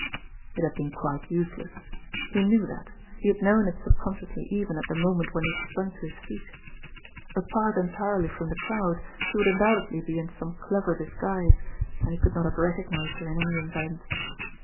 It had been quite useless he knew that, he had known it subconsciously even at the moment when he had sprung to his feet. Apart entirely from the crowd, she would undoubtedly be in some clever disguise, and he could not have recognised her in any event.